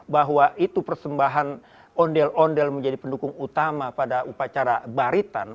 bahwa itu persembahan ondel ondel menjadi pendukung utama pada upacara baritan